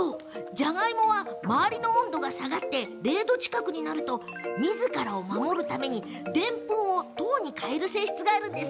じゃがいもは周りの温度が下がって０度近くになるとみずからを守るためにでんぷんを糖に変える性質があるんです。